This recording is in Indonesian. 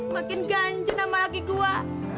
makin ganjeng amal lagi gua